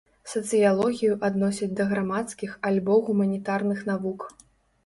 Сацыялогію адносяць да грамадскіх альбо гуманітарных навук.